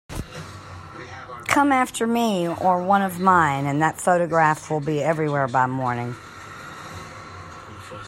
Come after me or one of mine, and that photograph will be everywhere by morning.